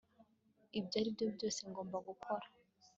ibyo aribyo byose ngomba gukora